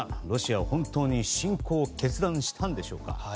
ロシアは本当に侵攻を決断したんでしょうか。